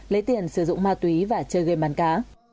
lấy tiền sử dụng ma túy và chơi gam bán cá